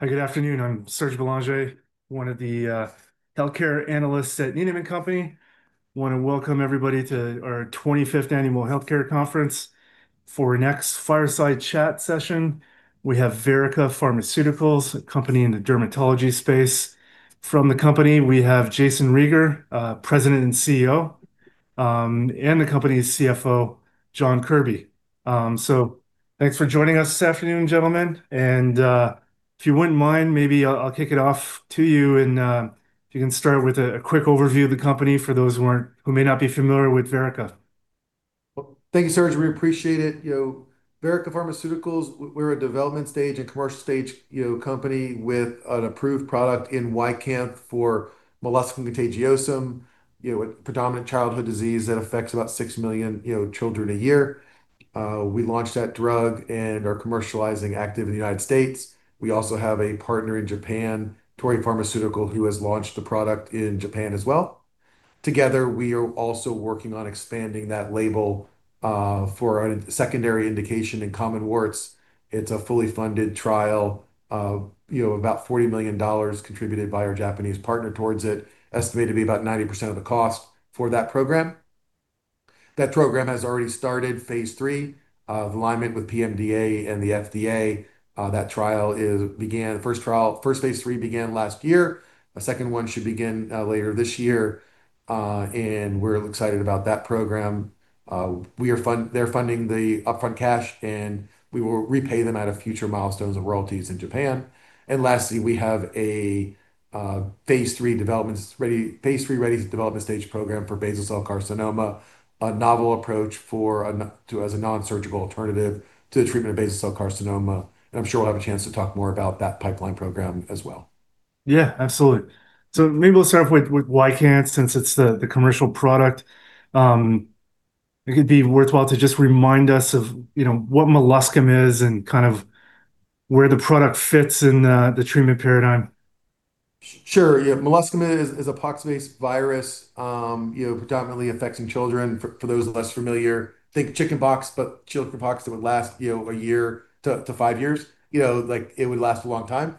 Hi, good afternoon. I'm Serge Belanger, one of the healthcare analysts at Needham and Company. I want to welcome everybody to our 25th Annual Healthcare Conference. For our next fireside chat session, we have Verrica Pharmaceuticals, a company in the dermatology space. From the company, we have Jayson Rieger, President and CEO, and the company's CFO, John Kirby. Thanks for joining us this afternoon, gentlemen, and if you wouldn't mind, maybe I'll kick it off to you, and if you can start with a quick overview of the company for those who may not be familiar with Verrica. Well, thank you, Serge. We appreciate it. Verrica Pharmaceuticals, we're a development-stage and commercial-stage company with an approved product, YCANTH, for molluscum contagiosum, a predominant childhood disease that affects about 6 million children a year. We launched that drug and are actively commercializing it in the United States. We also have a partner in Japan, Torii Pharmaceutical, who has launched the product in Japan as well. Together, we are also working on expanding that label for a secondary indication in common warts. It's a fully funded trial, with about $40 million contributed by our Japanese partner towards it, estimated to be about 90% of the cost for that program. That program has already started phase III in alignment with PMDA and the FDA. That first phase III began last year. A second one should begin later this year. We're excited about that program. They're funding the upfront cash, and we will repay them out of future milestones of royalties in Japan. Lastly, we have a Phase III-ready development stage program for basal cell carcinoma, a novel approach as a non-surgical alternative to the treatment of basal cell carcinoma. I'm sure we'll have a chance to talk more about that pipeline program as well. Yeah, absolutely. Maybe we'll start off with YCANTH since it's the commercial product. It would be worthwhile to just remind us of what molluscum is and kind of where the product fits in the treatment paradigm. Sure, yeah. Molluscum is a poxvirus predominantly affecting children. For those less familiar, think chickenpox, but chickenpox that would last 1-5 years. It would last a long time.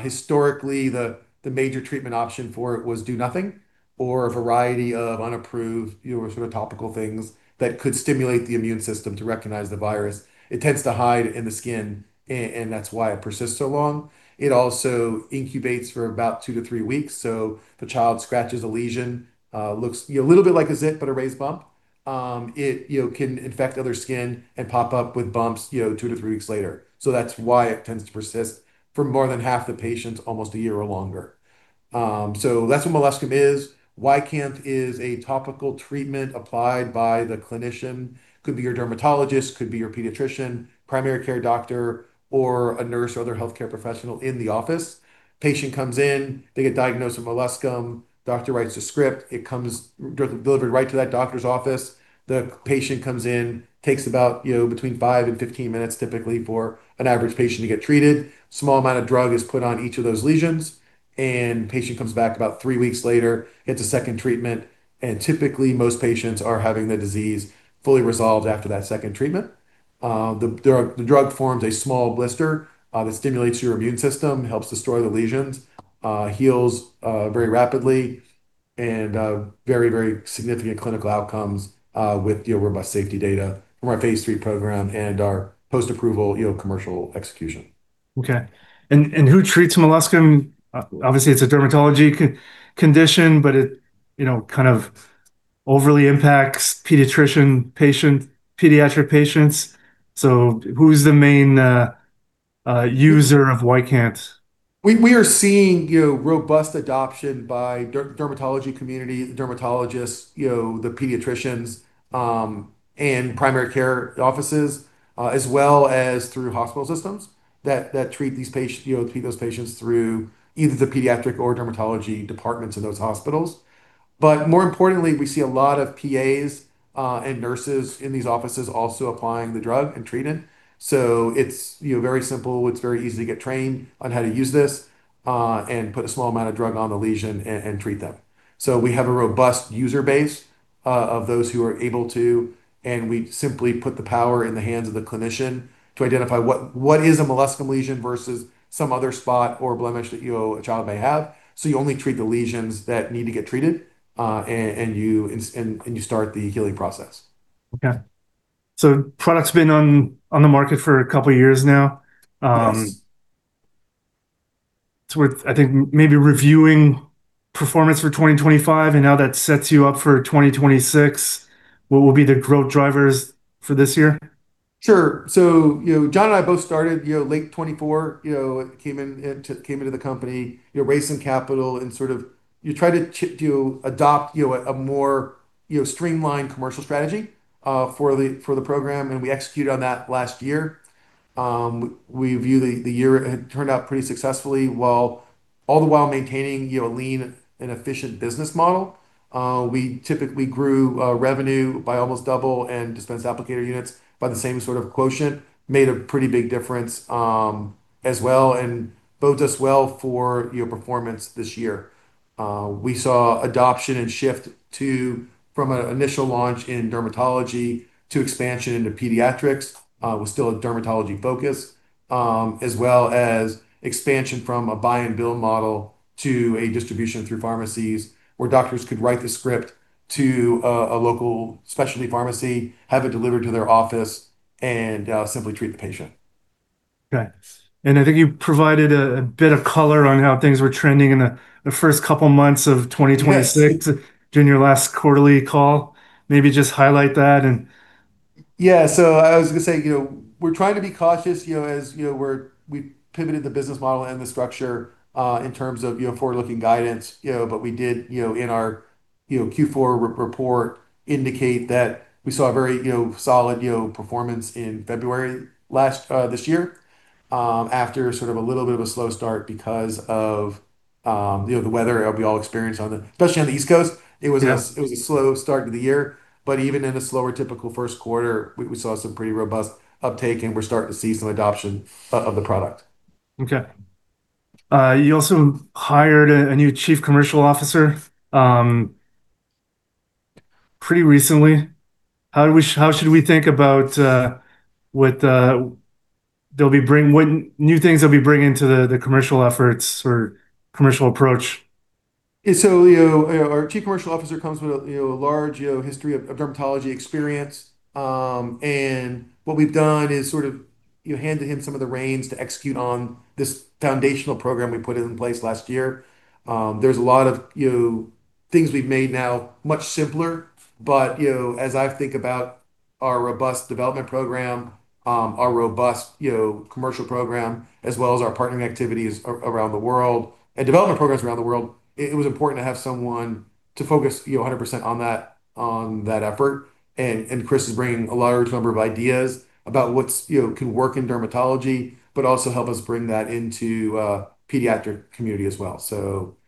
Historically, the major treatment option for it was to do nothing or a variety of unapproved, sort of topical things that could stimulate the immune system to recognize the virus. It tends to hide in the skin, and that's why it persists so long. It also incubates for about 2-3 weeks. The child scratches a lesion that looks a little bit like a zit, but a raised bump. It can infect other skin and pop up with bumps 2-3 weeks later. That's why it tends to persist for more than half the patients, almost 1 year or longer. That's what molluscum is. YCANTH is a topical treatment applied by the clinician. It could be your dermatologist, pediatrician, primary care doctor, or a nurse or other healthcare professional in the office. A patient comes in and is diagnosed with molluscum. The doctor writes a prescription, and it's delivered directly to that doctor's office. The patient comes in, and it typically takes about 5 to 15 minutes for an average patient to get treated. A small amount of the drug is applied to each of the lesions, and the patient returns about three weeks later for a second treatment. Typically, most patients see the disease fully resolved after that second treatment. The drug forms a small blister that stimulates your immune system, helps destroy the lesions, heals very rapidly, and yields very significant clinical outcomes with robust safety data from our Phase III program and our post-approval commercial execution. Okay. Who treats molluscum? Obviously, it's a dermatological condition, but it primarily impacts pediatric patients, so who's the main user of YCANTH? We are seeing robust adoption by the dermatology community, dermatologists, pediatricians, and primary care offices, as well as through hospital systems that treat those patients through either the pediatric or dermatology departments in those hospitals. More importantly, we see a lot of PAs and nurses in these offices also applying the drug and treating. It's very simple. It's very easy to get trained on how to use this and put a small amount of drug on the lesion to treat them. We have a robust user base of those who are able to, and we simply put the power in the hands of the clinician to identify what is a molluscum lesion versus some other spot or blemish that a child may have. You only treat the lesions that need to be treated, and you start the healing process. Okay. Product's been on the market for a couple of years now. Yes. It's worth, I think, reviewing performance for 2025 and how that sets you up for 2026. What will be the growth drivers for this year? Sure. John and I both started in late 2024. We came into the company raising capital, and we tried to adopt a more streamlined commercial strategy for the program, which we executed on last year. We view the year as having turned out pretty successfully, all the while maintaining a lean and efficient business model. We typically grew revenue by almost double and dispensed applicator units by the same sort of quotient. This made a pretty big difference as well and bodes well for our performance this year. We saw adoption and a shift from an initial launch in dermatology to expansion into pediatrics, with still a dermatology focus, as well as expansion from a buy-and-bill model to distribution through pharmacies, where doctors could write a script to a local specialty pharmacy, have it delivered to their office, and simply treat the patient. Okay. I think you provided a bit of color on how things were trending in the first couple of months of 2026. Yes during your last quarterly call. Maybe just highlight that and. Yeah. I was going to say, we're trying to be cautious as we've pivoted the business model and the structure in terms of forward-looking guidance. We did, in our Q4 report, indicate that we saw a very solid performance in February this year, after a little bit of a slow start because of the weather we all experienced, especially on the East Coast. Yeah. It was a slow start to the year, but even in a typically slower first quarter, we saw some pretty robust uptake, and we're starting to see some adoption of the product. Okay. You also hired a new chief commercial officer pretty recently. How should we think about what new things they'll be bringing to the commercial efforts or commercial approach? Our Chief Commercial Officer has extensive experience in dermatology. We've essentially given him some of the reins to execute on this foundational program we put in place last year. We've simplified many things. As I consider our robust development program, our robust commercial program, as well as our partnering activities and development programs worldwide, it was important to have someone focus 100% on that effort. Chris Degnan is bringing a wealth of ideas about what can work in dermatology, and also helping us introduce that into the pediatric community.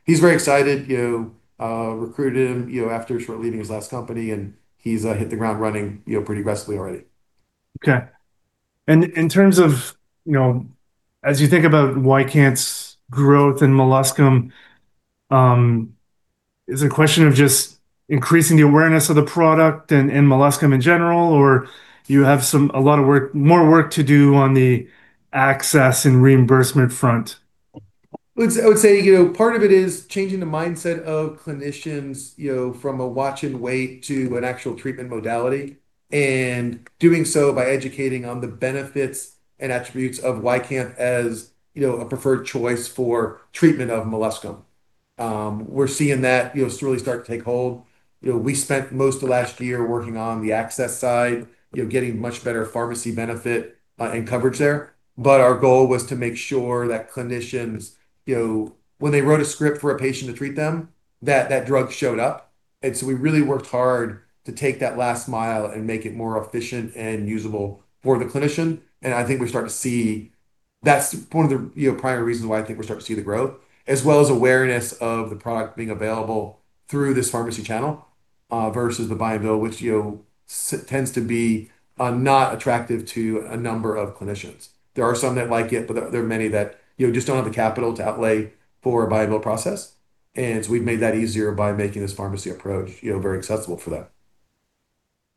He's very excited. We recruited him shortly after he left his last company, and he's already hit the ground running quite aggressively. Okay. In terms of how you think about YCANTH's growth in molluscum, is it a question of just increasing awareness of the product and molluscum in general, or do you have more work to do on the access and reimbursement front? I would say part of it is changing the mindset of clinicians from a watch-and-wait approach to an actual treatment modality, and doing so by educating them on the benefits and attributes of YCANTH as a preferred choice for the treatment of molluscum. We're seeing that slowly start to take hold. We spent most of last year working on the access side, getting much better pharmacy benefits and coverage there. But our goal was to make sure that when clinicians wrote a script for a patient to treat them, that drug showed up. We really worked hard to take that last mile and make it more efficient and usable for the clinician. I think that's one of the primary reasons why we're starting to see growth, as well as awareness of the product being available through this pharmacy channel versus the buy-and-bill, which tends to be unattractive to a number of clinicians. There are some who like it, but there are many who just don't have the capital to outlay for a buy and bill process. We've made that easier by making this pharmacy approach very accessible for them.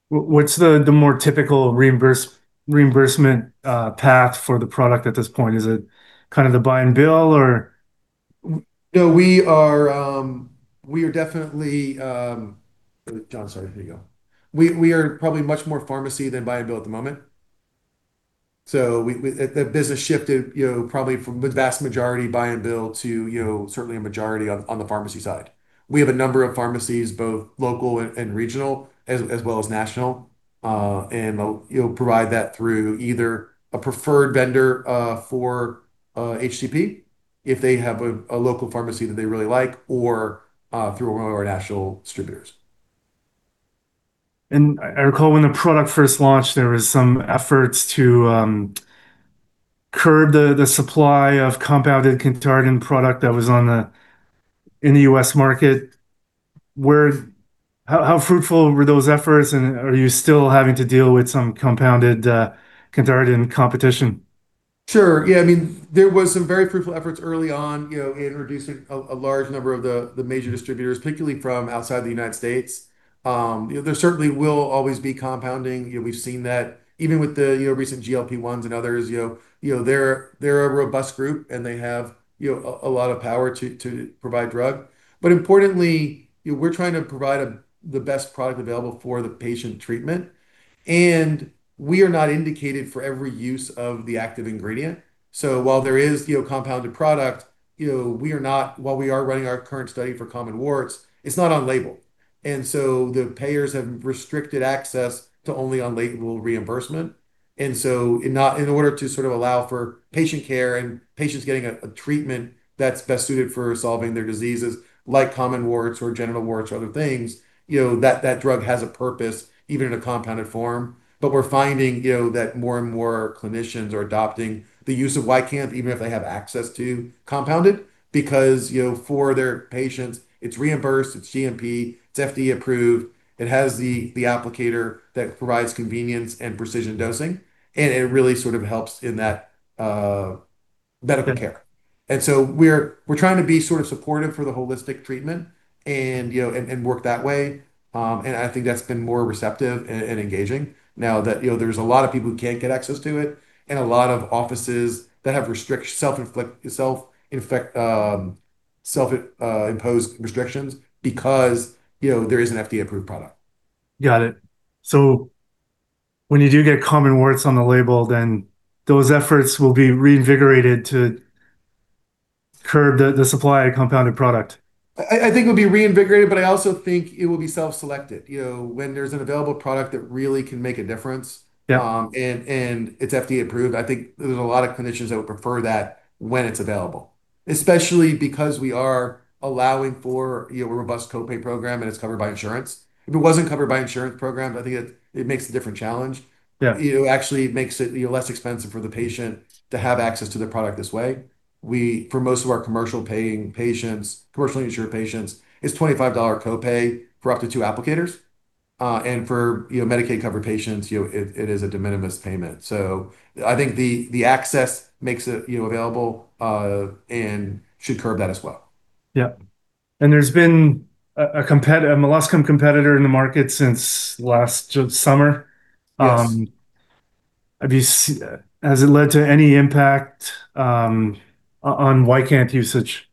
What's the more typical reimbursement path for the product at this point? Is it a "buy and bill" or something else? No, we are definitely, John, sorry. Here you go. We are probably much more pharmacy than buy and bill at the moment. The business shifted, probably from the vast majority buy and bill to certainly a majority on the pharmacy side. We have a number of pharmacies, both local and regional, as well as national, and we'll provide that through either a preferred vendor for HCP, if they have a local pharmacy that they really like, or through one of our national distributors. I recall when the product first launched, there were some efforts to curb the supply of compounded cantharidin product that was in the U.S. market. How fruitful were those efforts, and are you still having to deal with some compounded cantharidin competition? Sure. Yeah. There were some very fruitful efforts early on in reducing a large number of the major distributors, particularly from outside the United States. There certainly will always be compounding. We've seen that even with the recent GLP-1s and others. They're a robust group, and they have a lot of power to provide drugs. But importantly, we're trying to provide the best product available for patient treatment, and we are not indicated for every use of the active ingredient. So while there is compounded product, while we are running our current study for common warts, it's not on-label. The payers have restricted access to only on-label reimbursement. In order to allow for patient care and patients to get a treatment that's best suited for solving their diseases, like common warts or genital warts or other things, that drug has a purpose, even in a compounded form. But we're finding that more and more clinicians are adopting the use of YCANTH, even if they have access to compounded medications, because for their patients, it's reimbursed, it's GMP, it's FDA approved, it has the applicator that provides convenience and precise dosing, and it really helps in that medical care. We're trying to be supportive of the holistic treatment and work that way. I think that's been more receptive and engaging now that there are a lot of people who can't get access to it, and a lot of offices that have self-imposed restrictions because there is an FDA-approved product. Got it. When you do get common warts on the label, then those efforts will be reinvigorated to curb the supply of compounded product. I think it'll be reinvigorated, but I also think it will be self-selected when there's an available product that can really make a difference. Yeah... it's FDA approved. I think there are a lot of clinicians who would prefer that when it's available, especially because we are allowing for a robust co-pay program, and it's covered by insurance. If it weren't covered by insurance programs, I think it would pose a different challenge. Yeah. It actually makes it less expensive for the patient to have access to their product this way. For most of our commercially insured patients, it's a $25 copay for up to two applicators. For Medicaid-covered patients, it is a de minimis payment. I think the access makes it available and should curb that as well. Yeah. There's been a molluscum competitor in the market since last summer. Yes. Has it led to any impact on YCANTH usage?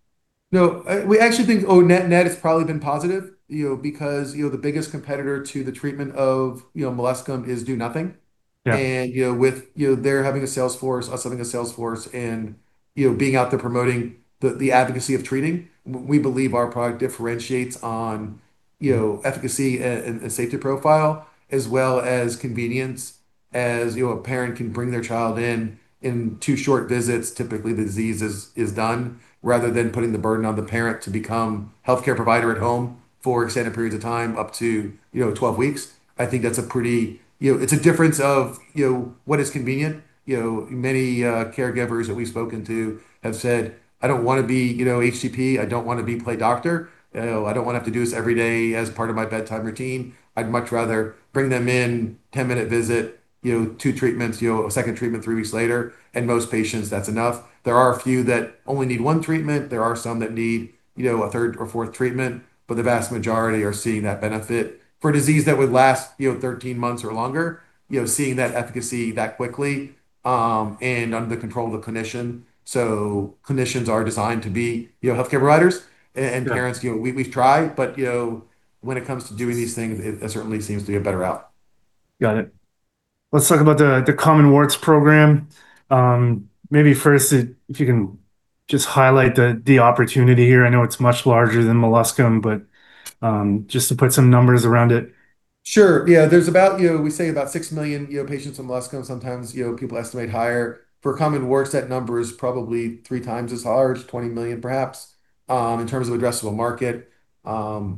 No. We actually think it's probably been net positive, because the biggest competitor to the treatment of molluscum is doing nothing. Yeah. With their having a sales force and us having a sales force, and being out there promoting the advocacy of treating, we believe our product differentiates on efficacy and safety profile, as well as convenience. As you know, a parent can bring their child in for two short visits. Typically, the disease is resolved, rather than putting the burden on the parent to become a healthcare provider at home for extended periods of time, up to 12 weeks. I think it's a difference of what is convenient. Many caregivers that we've spoken to have said, "I don't want to be an HCP. I don't want to play doctor. I don't want to have to do this every day as part of my bedtime routine. I'd much rather bring them in, 10-minute visit, two treatments, a second treatment three weeks later." For most patients, that's enough. There are a few that only need one treatment. There are some that need a third or fourth treatment, but the vast majority are seeing that benefit. For a disease that would last 13 months or longer, seeing that efficacy that quickly, and under the control of the clinician, is remarkable. Clinicians are designed to be healthcare providers. Sure. Parents, we've tried, but when it comes to doing these things, it certainly seems to be a better route. Got it. Let's talk about the common warts program. Maybe first, if you can just highlight the opportunity here. I know it's much larger than molluscum, but just to put some numbers around it. Sure. Yeah. There are about, we say, about 6 million patients with molluscum. Sometimes, people estimate higher. For common warts, that number is probably three times as large, 20 million perhaps, in terms of addressable market.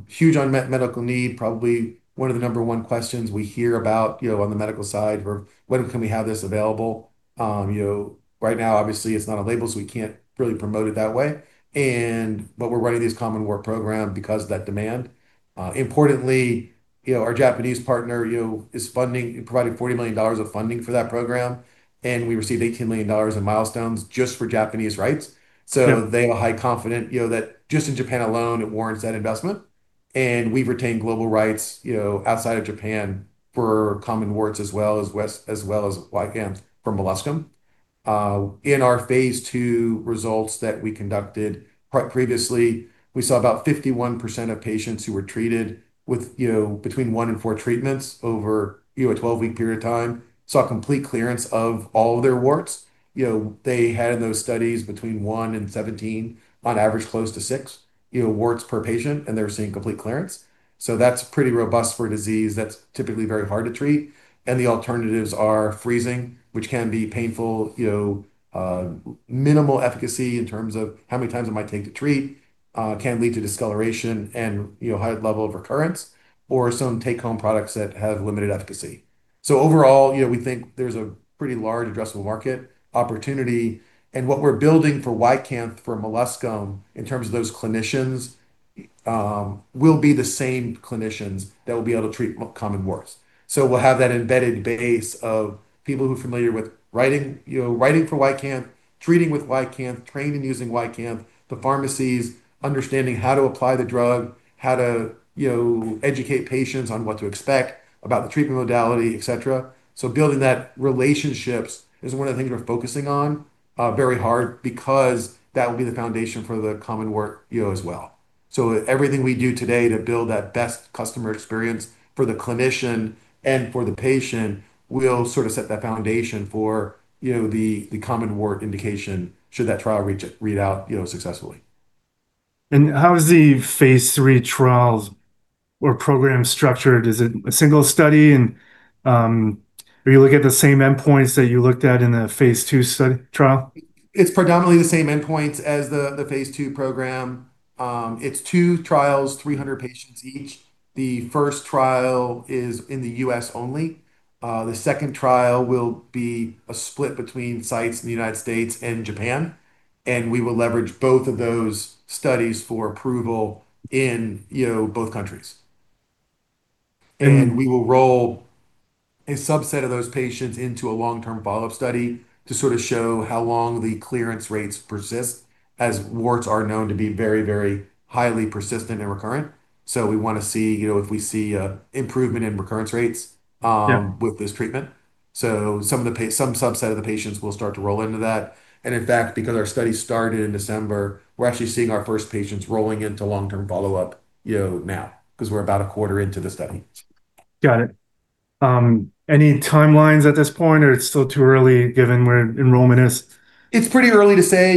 Huge unmet medical need. Probably one of the number one questions we hear about on the medical side is, "When can we have this available?" Right now, obviously, it's not labeled, so we can't really promote it that way. We're running this common wart program because of that demand. Importantly, our Japanese partner is providing $40 million of funding for that program, and we received $18 million in milestones just for Japanese rights. Yeah. They are highly confident that in Japan alone, it warrants that investment. We've retained global rights outside of Japan for common warts, as well as YCANTH for molluscum. In our Phase II results that we conducted previously, we saw about 51% of patients who were treated with between 1 and 4 treatments over a 12-week period of time show complete clearance of all of their warts. In those studies, they had between 1 and 17, on average close to 6 warts per patient, and they were seeing complete clearance. That's pretty robust for a disease that's typically very hard to treat. The alternatives are freezing, which can be painful, has minimal efficacy in terms of how many times it might take to treat, can lead to discoloration, and a high level of recurrence, or some take-home products that have limited efficacy. Overall, we think there's a pretty large addressable market opportunity, and what we're building for YCANTH, for molluscum, in terms of those clinicians, will be the same clinicians that will be able to treat common warts. We'll have that embedded base of people who are familiar with writing for YCANTH, treating with YCANTH, training using YCANTH, the pharmacies, understanding how to apply the drug, how to educate patients on what to expect about the treatment modality, et cetera. Building those relationships is one of the things we're focusing on very hard, because that will be the foundation for the common wart as well. Everything we do today to build that best customer experience for the clinician and for the patient will sort of set that foundation for the common wart indication should that trial read out successfully. How are the Phase III trials or program structured? Is it a single study? Are you looking at the same endpoints that you looked at in the Phase II trial? It's predominantly the same endpoints as the phase II program. It's two trials, 300 patients each. The first trial is in the U.S. only. The second trial will be split between sites in the United States and Japan, and we will leverage both of those studies for approval in both countries. We will enroll a subset of those patients into a long-term follow-up study to sort of show how long the clearance rates persist, as warts are known to be very, very highly persistent and recurrent. We want to see if we see improvement in recurrence rates. Yeah With this treatment, some subset of the patients will start to roll into that. In fact, because our study started in December, we're actually seeing our first patients rolling into long-term follow-up now, because we're about a quarter into the study. Got it. Any timelines at this point, or it's still too early, given where enrollment is? It's pretty early to say.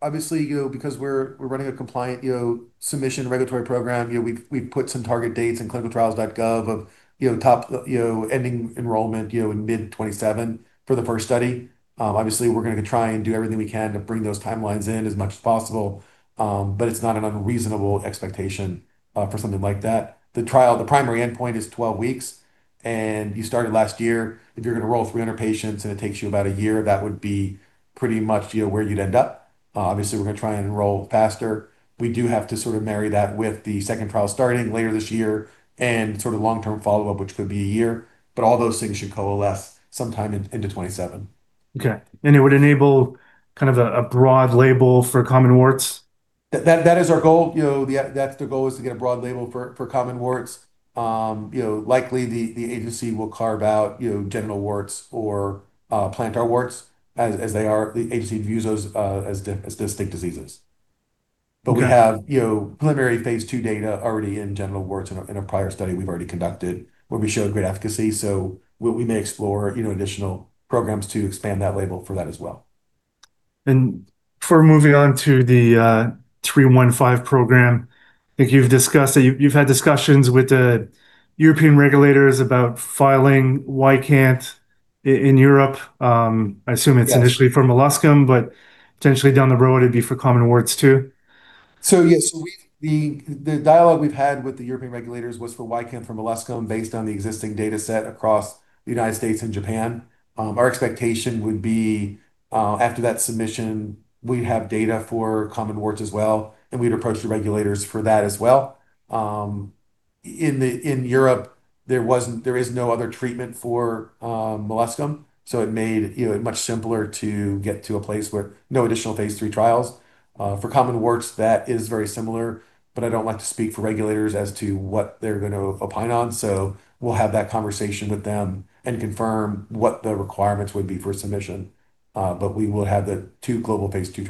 Obviously, because we're running a compliant submission regulatory program, we've put some target dates in clinicaltrials.gov of ending enrollment in mid-2027 for the first study. Obviously, we're going to try and do everything we can to bring those timelines in as much as possible. It's not an unreasonable expectation for something like that. The trial's primary endpoint is 12 weeks, and you started last year. If you're going to enroll 300 patients and it takes you about a year, that would be pretty much where you'd end up. Obviously, we're going to try and enroll faster. We do have to sort of marry that with the second trial starting later this year and long-term follow-up, which could be a year. All those things should coalesce sometime in 2027. Okay. It would enable a broad label for common warts? That is our goal. The goal is to get a broad label for common warts. Likely, the agency will carve out genital warts or plantar warts as they are. The agency views those as distinct diseases. Okay. We have preliminary phase II data already in genital warts from a prior study we've already conducted, where we showed great efficacy. We may explore additional programs to expand that label as well. Before moving on to the VP-315 program, I think you've had discussions with the European regulators about filing YCANTH in Europe. I assume it's— Yes Initially for molluscum, but potentially down the road, it would be for common warts too. Yes. The dialogue we've had with the European regulators was for YCANTH for molluscum, based on the existing dataset across the United States and Japan. Our expectation would be that after that submission, we'd also have data for common warts, and we'd approach the regulators for that as well. In Europe, there is no other treatment for molluscum, so it made it much simpler to get to a place with no additional phase III trials. For common warts, that is very similar, but I don't like to speak for regulators as to what they're going to opine on. We'll have that conversation with them and confirm what the requirements would be for submission. We will have the two global phase III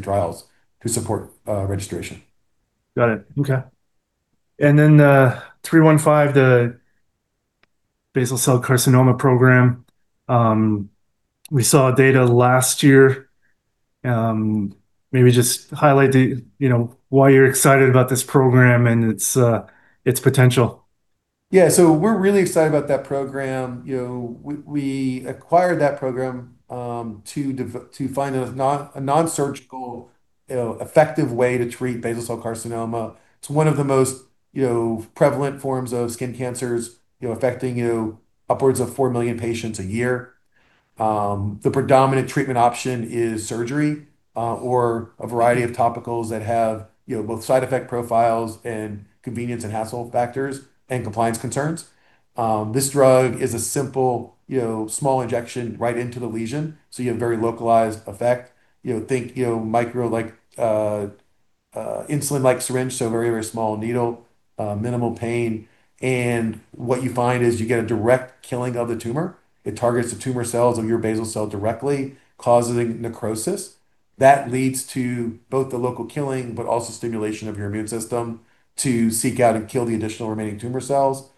trials to support registration. Got it. Okay. VP-315, the basal cell carcinoma program. We saw data last year. Maybe just highlight why you're excited about this program and its potential. We're really excited about that program. We acquired that program to find a non-surgical, effective way to treat basal cell carcinoma. It's one of the most prevalent forms of skin cancer, affecting upwards of 4 million patients a year. The predominant treatment option is surgery, or a variety of topicals that have both side effect profiles and convenience and hassle factors, and compliance concerns. This drug is a simple, small injection right into the lesion, so you have a very localized effect. Think insulin-like syringe, so a very small needle, minimal pain. What you find is you get a direct killing of the tumor. It targets the tumor cells of your basal cell directly, causing necrosis. That leads to both local killing, but also stimulation of your immune system to seek out and kill the additional remaining tumor cells.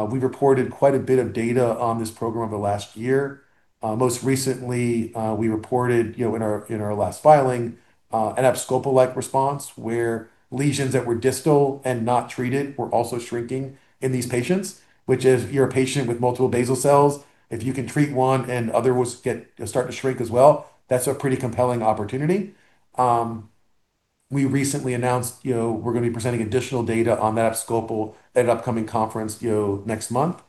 We've reported quite a bit of data on this program over the last year. Most recently, in our last filing, we reported an abscopal-like response where lesions that were distal and not treated were also shrinking in these patients. If you're a patient with multiple basal cells, and you can treat one and others start to shrink as well, that's a pretty compelling opportunity. We recently announced we'll be presenting additional data on that abscopal at an upcoming conference next month.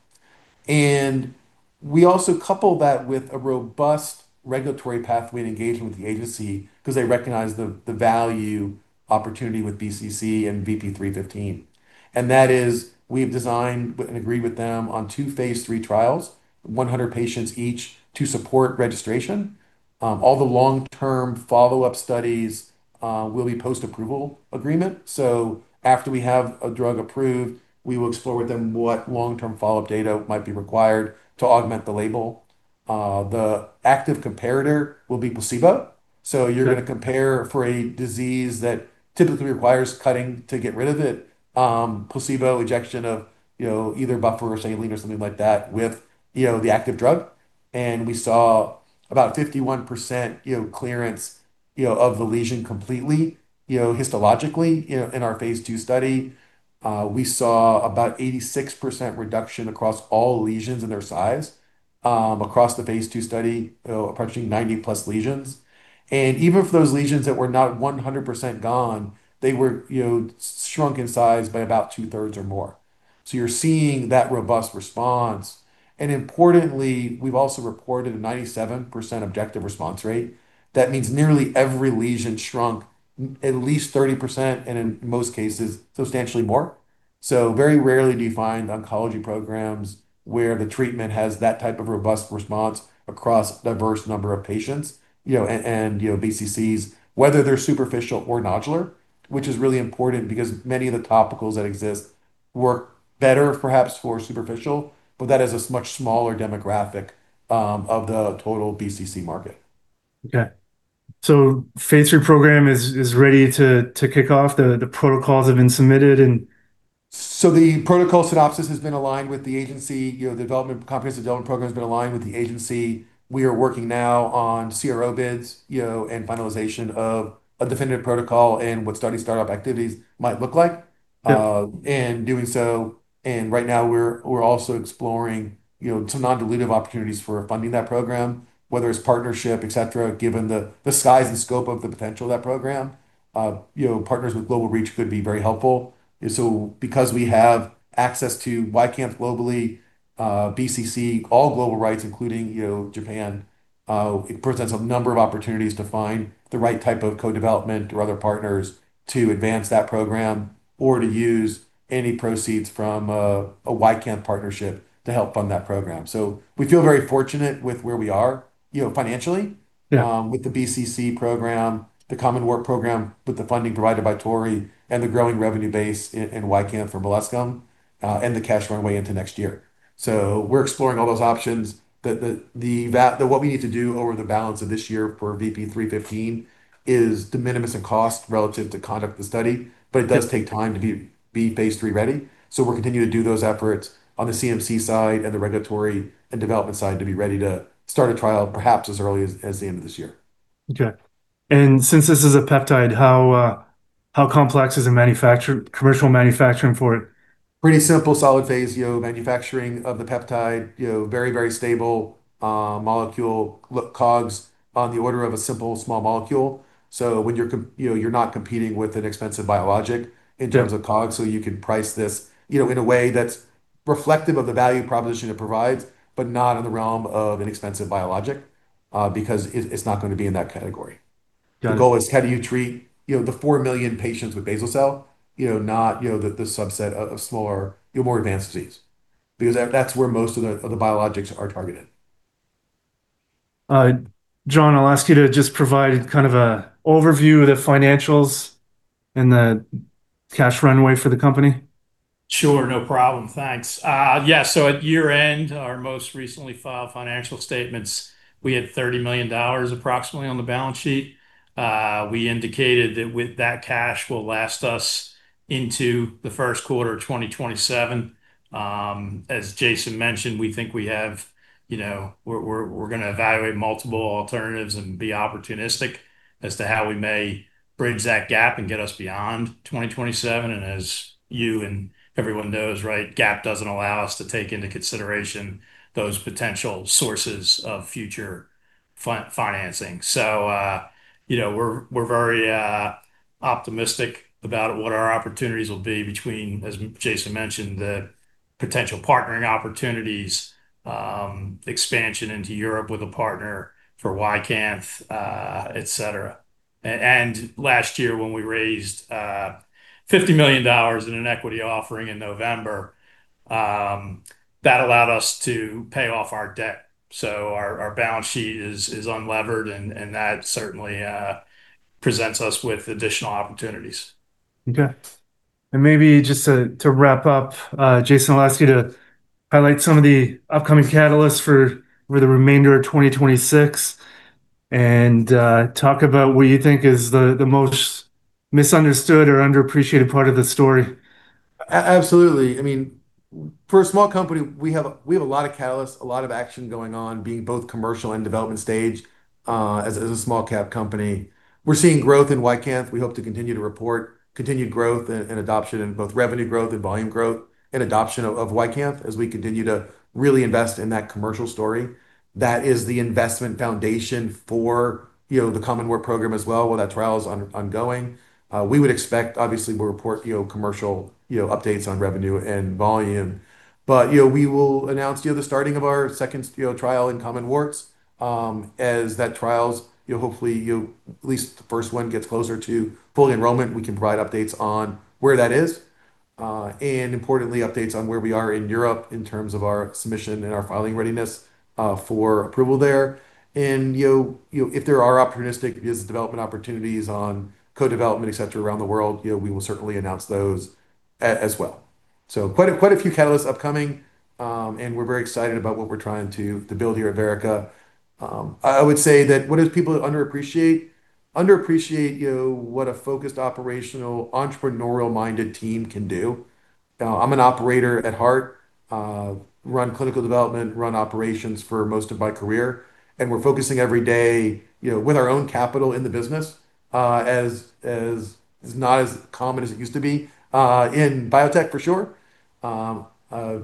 We also couple that with a robust regulatory pathway and engagement with the agency because they recognize the value opportunity with BCC and VP-315. That is, we have designed and agreed with them on two Phase III trials, 100 patients each, to support registration. All the long-term follow-up studies will be post-approval agreement. After we have a drug approved, we will explore with them what long-term follow-up data might be required to augment the label. The active comparator will be placebo. You're going to compare, for a disease that typically requires cutting to get rid of it, placebo injection of either buffer or saline or something like that with the active drug. We saw about 51% clearance of the lesion completely histologically in our Phase II study. We saw about 86% reduction across all lesions in their size across the Phase II study, approaching 90+ lesions. Even for those lesions that were not 100% gone, they were shrunk in size by about two-thirds or more. You're seeing that robust response. Importantly, we've also reported a 97% objective response rate. That means nearly every lesion shrunk at least 30%, and in most cases, substantially more. Very rarely do you find oncology programs where the treatment has that type of robust response across a diverse number of patients, and BCCs, whether they're superficial or nodular, which is really important because many of the topicals that exist work better perhaps for superficial, but that is a much smaller demographic of the total BCC market. Okay. Phase III program is ready to kick off, the protocols have been submitted and The protocol synopsis and the comprehensive development program have been aligned with the agency. We are now working on CRO bids, finalization of a definitive protocol, and what study startup activities might look like. Yep. In doing so, and right now we're also exploring some non-dilutive opportunities for funding that program, whether it's partnership, et cetera, given the size and scope of the potential of that program. Partners with global reach could be very helpful because we have access to YCANTH globally, BCC, all global rights, including Japan. It presents a number of opportunities to find the right type of co-development or other partners to advance that program or to use any proceeds from a YCANTH partnership to help fund that program. We feel very fortunate with where we are financially. Yeah ...with the BCC program, the common warts program, with the funding provided by Torii, and the growing revenue base in YCANTH for molluscum, and the cash runway into next year. We're exploring all those options. What we need to do over the balance of this year for VP-315 is de minimis in cost relative to conducting the study, but it does take time to be Phase III ready. We're continuing to do those efforts on the CMC side and the regulatory and development side to be ready to start a trial, perhaps as early as the end of this year. Okay. Since this is a peptide, how complex is a commercial manufacturing for it? Pretty simple solid-phase manufacturing of the peptide, very stable molecule. COGS are on the order of a simple small molecule. You're not competing with an expensive biologic in terms of COGS. You can price this in a way that's reflective of the value proposition it provides, but not in the realm of an expensive biologic, because it's not going to be in that category. Got it. The goal is how to treat the 4 million patients with basal cell, not the subset with smaller, more advanced disease, because that's where most biologics are targeted. John, I'll ask you to just provide an overview of the financials and the cash runway for the company. Sure. No problem. Thanks. Yeah, so at year-end, our most recently filed financial statements, we had approximately $30 million on the balance sheet. We indicated that that cash will last us into the first quarter of 2027. As Jayson mentioned, we're going to evaluate multiple alternatives and be opportunistic as to how we may bridge that gap and get us beyond 2027. As you and everyone knows, GAAP doesn't allow us to take into consideration those potential sources of future financing. We're very optimistic about what our opportunities will be between, as Jayson mentioned, the potential partnering opportunities, expansion into Europe with a partner for YCANTH, et cetera. Last year when we raised $50 million in an equity offering in November, that allowed us to pay off our debt. Our balance sheet is unlevered, and that certainly presents us with additional opportunities. Okay. Maybe just to wrap up, Jayson, I'll ask you to highlight some of the upcoming catalysts for the remainder of 2026 and talk about what you think is the most misunderstood or underappreciated part of the story. Absolutely. For a small company, we have a lot of catalysts, a lot of action going on, being both commercial and development stage, as a small-cap company. We're seeing growth in YCANTH. We hope to continue to report continued growth and adoption in both revenue and volume, and adoption of YCANTH as we continue to really invest in that commercial story. That is the investment foundation for the common warts program as well, while that trial is ongoing. We would expect, obviously, we'll report commercial updates on revenue and volume. We will announce the start of our second trial in common warts. As that trial, hopefully, at least the first one, gets closer to full enrollment, we can provide updates on where that is. Importantly, updates on where we are in Europe in terms of our submission and our filing readiness for approval there. If there are opportunistic business development opportunities in co-development, et cetera, around the world, we will certainly announce those as well. Quite a few catalysts are upcoming. We're very excited about what we're trying to build here at Verrica. I would say that what people underappreciate is what a focused, operational, entrepreneurial-minded team can do. I'm an operator at heart, having run clinical development and operations for most of my career, and we're focusing every day, with our own capital in the business. It's not as common as it used to be, in biotech for sure. I'm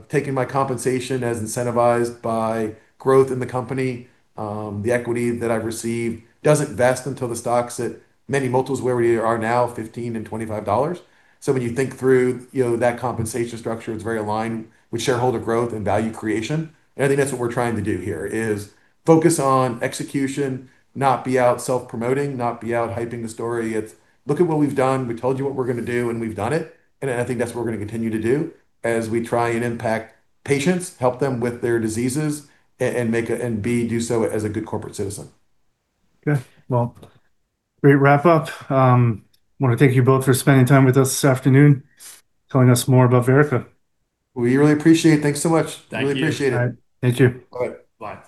taking my compensation as incentivized by growth in the company. The equity that I've received doesn't vest until the stock is at many multiples of where we are now, $15 and $25. When you think through that compensation structure, it's very aligned with shareholder growth and value creation. I think that's what we're trying to do here: focus on execution, not be out self-promoting, not be out hyping the story. It's "look at what we've done." We told you what we were going to do, and we've done it. I think that's what we're going to continue to do as we try to impact patients, help them with their diseases, and do so as a good corporate citizen. Okay. Well, great wrap-up. I want to thank you both for spending time with us this afternoon, telling us more about Verrica. We really appreciate it. Thanks so much. Thank you. Really appreciate it. Thank you. All right. Bye.